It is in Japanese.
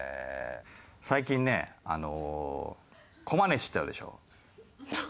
最近ねコマネチってあるでしょ。